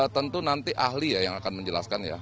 tentu nanti ahli ya yang akan menjelaskan ya